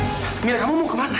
kamilah kamu mau ke mana